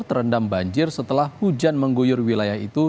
terendam banjir setelah hujan mengguyur wilayah itu